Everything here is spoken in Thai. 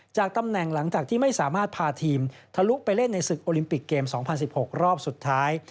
ตำแหน่งหลังจากที่ไม่สามารถพาทีมทะลุไปเล่นในศึกโอลิมปิกเกม๒๐๑๖รอบสุดท้าย